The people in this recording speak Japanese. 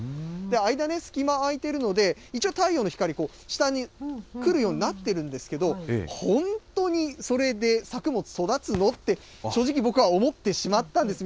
間ね、隙間空いてるので、一応、太陽の光、下にくるようになってるんですけど、本当にそれで作物、育つの？って正直、僕は思ってしまったんです。